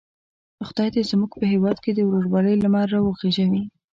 خدای دې زموږ په هیواد کې د ورورولۍ لمر را وخېژوي.